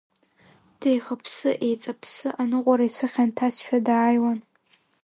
Деихаԥсы-еиҵаԥсы, аныҟуара ицәыхьанҭазшәа дааиуан.